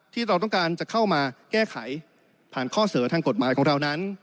ที่เราต้องการจะเข้ามาแก้ไขผ่านข้อเสนอทางกฎหมายของเรานั้น